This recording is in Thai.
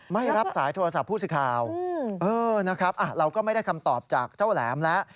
ไม่รับสายโทรศัพท์ผู้สื่อข่าวนะครับเราก็ไม่ได้คำตอบจากเจ้าแหลมแล้ว